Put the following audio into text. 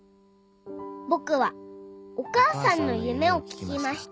「ぼくはおかあさんのゆめをききました」